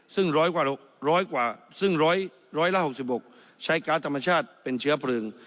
ซึ่ง๑๖๖ใช้การ์ดธรรมชาติเป็นเชื้อเพลิง